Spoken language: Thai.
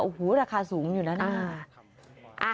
โอ้โหราคาสูงอยู่แล้วนะ